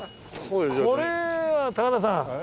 これは高田さん。